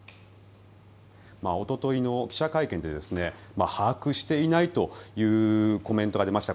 おとといの記者会見で把握していないというコメントが出ました。